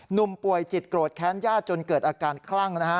หนุ่มป่วยจิตโกรธแค้นญาติจนเกิดอาการคลั่งนะฮะ